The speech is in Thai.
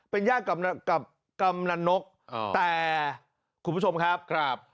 เป็นญาติกำลังนกแต่คุณผู้ชมครับครับ